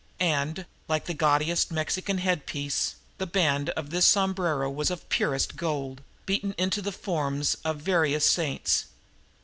And, like the gaudiest Mexican head piece, the band of this sombrero was of purest gold, beaten into the forms of various saints.